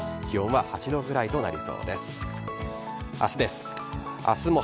気温は８度ぐらいとなりそうです。